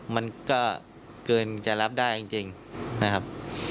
มันก็เกินจะรับได้จริงนะครับ